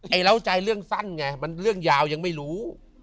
เหล้าใจเรื่องสั้นไงมันเรื่องยาวยังไม่รู้